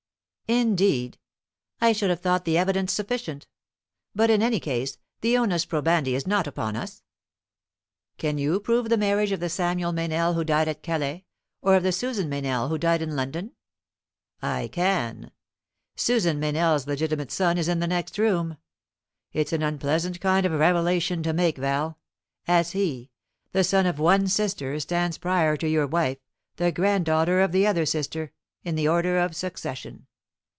"Indeed! I should have thought the evidence sufficient. But, in any case, the onus probandi is not upon us. Can you prove the marriage of the Samuel Meynell who died at Calais, or of the Susan Meynell who died in London?" "I can. Susan Meynell's legitimate son is in the next room. It's an unpleasant kind of revelation to make, Val; as he, the son of one sister, stands prior to your wife, the granddaughter of the other sister, in the order of succession.